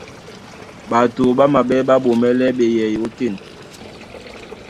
Ɓato ɓá maɓɛ́ ɓá ɓomɛ́lɛ́ ɓeyɛy ótên.